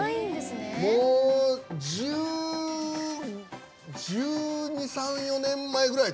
もう、１２１４年ぐらい前。